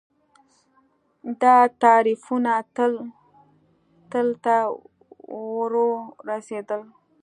دا تعریفونه تل ته ورورسېدل